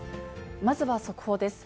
まずは速報です。